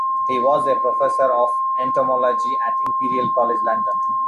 He was a Professor of Entomology at Imperial College London.